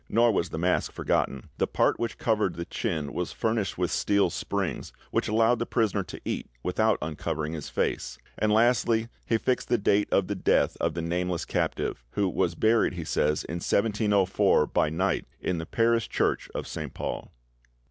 Nor was the mask forgotten: "The part which covered the chin was furnished with steel springs, which allowed the prisoner to eat without uncovering his face." And, lastly, he fixed the date of the death of the nameless captive; who "was buried," he says, "in 1704., by night, in the parish church of Saint Paul."